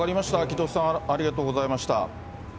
木戸さん、ありがとうございました。